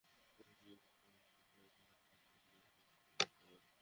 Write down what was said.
তিনি একবার আলীকদমে গিয়েছিলেন বলে তাঁকে নিয়ে ভিত্তিহীন কথা বলা শুরু করেছে।